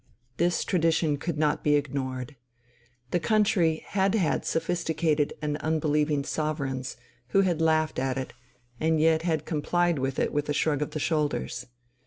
This tradition could not be ignored. The country had had sophisticated and unbelieving sovereigns, who had laughed at it, and yet had complied with it with a shrug of the shoulders.